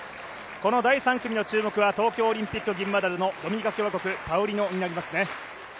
この第３組の注目は東京オリンピック銀メダルのドミニカ共和国パウリノになりますね。